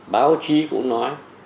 báo chí cũng nói